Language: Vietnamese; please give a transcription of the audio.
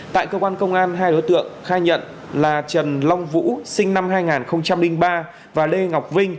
tại cơ quan công an hai đối tượng khai nhận là trần long vũ sinh năm hai nghìn ba và lê ngọc vinh